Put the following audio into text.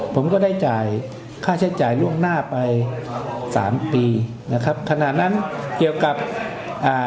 ผมก็ได้จ่ายค่าใช้จ่ายล่วงหน้าไปสามปีนะครับขณะนั้นเกี่ยวกับอ่า